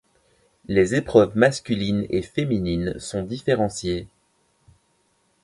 Les épreuves masculines et féminines sont différenciées.